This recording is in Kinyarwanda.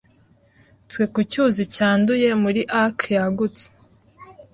Twe ku cyuzi cyanduye muri arc yagutse